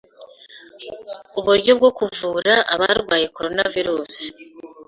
uburyo bwo kuvura abarwaye Coronavirus